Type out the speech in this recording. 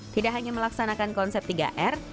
tidak hanya melaksanakan konsep tiga r